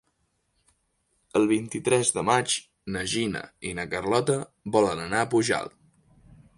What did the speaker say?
El vint-i-tres de maig na Gina i na Carlota volen anar a Pujalt.